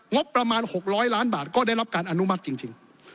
งบประมาณ๖๐๐ล้านบาทก็ได้รับการอนุมัติจริง